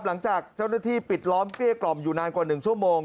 หลังจากเจ้าหน้าที่ปิดล้อมเกลี้ยกล่อมอยู่นานกว่า๑ชั่วโมง